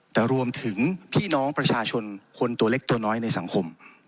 แต่รวมถึงพี่น้องประชาชนคนตัวเล็กตัวน้อยในสังคม